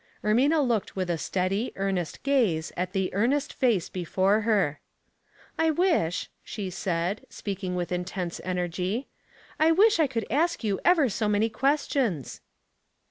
Ermina looked with a steady, earnest gaze at the earnest face before her. "I wish," she said, speaking with intense energy, " I wish I could ask you ever so many questions."